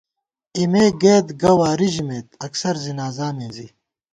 اېمےگئیت گہ واری ژِمېت اکثر زِنازا مِنزی